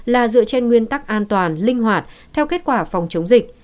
là dựa trên nguyên tắc an toàn linh hoạt theo kết quả phòng chống dịch